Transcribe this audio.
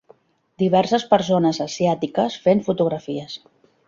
Diverses persones asiàtiques fent fotografies.